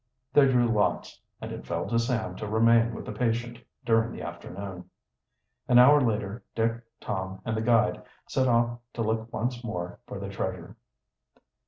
They drew lots, and it fell to Sam to remain with the patient during the afternoon. An hour later Dick, Tom, and the guide set off to look once more for the treasure.